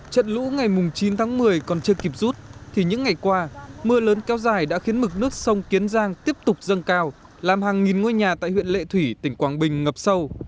trận lũ ngày chín tháng một mươi còn chưa kịp rút thì những ngày qua mưa lớn kéo dài đã khiến mực nước sông kiến giang tiếp tục dâng cao làm hàng nghìn ngôi nhà tại huyện lệ thủy tỉnh quảng bình ngập sâu